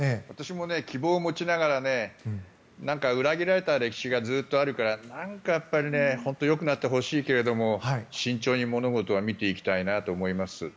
私も希望を持ちながら裏切られた歴史がずっとあるからなんかやっぱり本当によくなってほしいけど慎重に物事は見ていきたいなと思います。